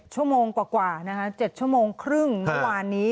ชั่วโมงกว่านะคะ๗ชั่วโมงครึ่งเมื่อวานนี้